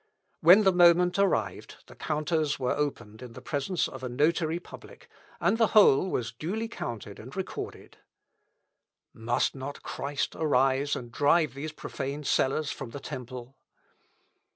When the moment arrived, the counters were opened in the presence of a notary public, and the whole was duly counted and recorded. Must not Christ arise and drive these profane sellers from the temple?